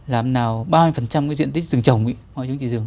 làm nào ba mươi cái diện tích rừng trồng ngoại trứng trị rừng